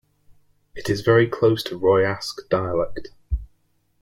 It is very close to Royasc dialect.